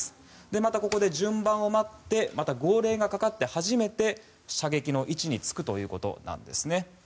またここで順番を待って号令がかかって初めて射撃の位置につくということなんです。